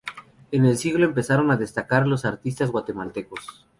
En el siglo empezaron a destacar los artistas guatemaltecos.